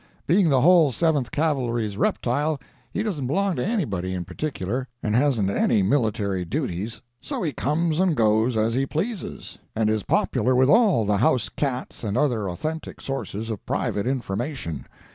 Being the whole Seventh Cavalry's reptile, he doesn't belong to anybody in particular, and hasn't any military duties; so he comes and goes as he pleases, and is popular with all the house cats and other authentic sources of private information.